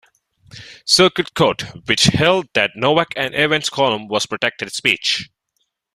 Circuit Court, which held that Novak and Evans's column was protected speech.